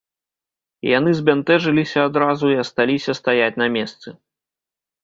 Яны збянтэжыліся адразу і асталіся стаяць на месцы.